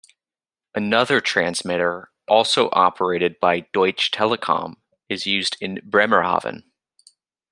Another transmitter, also operated by Deutsche Telekom, is used in Bremerhaven.